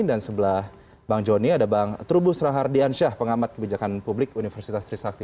dan sebelah bang joni ada bang trubu serahardiansyah pengamat kebijakan publik universitas trisakti